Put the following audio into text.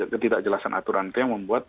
ketidakjelasan aturan itu yang membuat